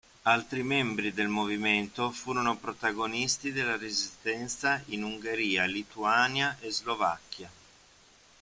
Altri membri del movimento furono protagonisti della resistenza in Ungheria, Lituania e Slovacchia.